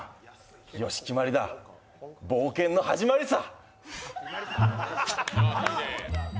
よし決まりだ冒険の始まりさ。